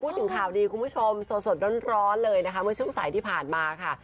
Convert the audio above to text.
พูดถึงข่าวดีคุณผู้ชมสดร้อนเลยนะคะเมื่อช่วงสายที่ผ่านมาค่ะ